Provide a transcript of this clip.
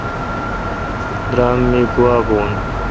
درام می گوا بھون۔